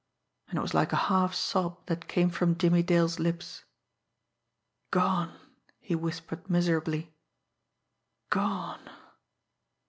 And it was like a half sob that came from Jimmie Dale's lips. "Gone!" he whispered miserably. "Gone!"